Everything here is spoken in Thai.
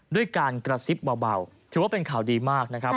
ด้วยการกระซิบเบาถือว่าเป็นข่าวดีมากนะครับ